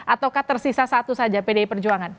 ataukah tersisa satu saja pdi perjuangan